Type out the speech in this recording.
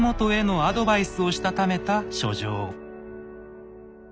アドバイスをしたためた書状。